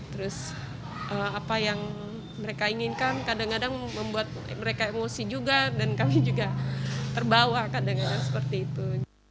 terus apa yang mereka inginkan kadang kadang membuat mereka emosi juga dan kami juga terbawa kadang kadang seperti itu